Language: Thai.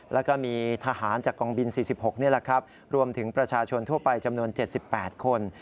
และก็มีทหารจากกองบิน๔๖รวมถึงประชาชนทั่วไปจำนวน๗๘คน